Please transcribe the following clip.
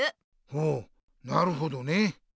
ほうなるほどね。